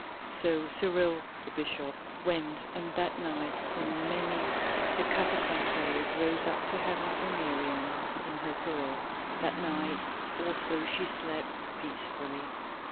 So Cyril, the bishop, went, and that night from many a catacomb prayers rose up to Heaven for Miriam in her peril. That night also she slept peacefully.